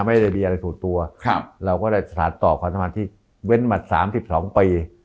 ไม่ได้มีอะไรสูตรตัวครับเราก็ได้สารต่อความกันที่เว้นหมด๓๒ปี